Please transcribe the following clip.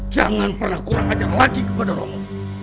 jangan pernah kurang ajar lagi kepada romo